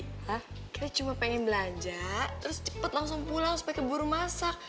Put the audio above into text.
kita cuma pengen belanja terus cepet langsung pulang supaya keburu masak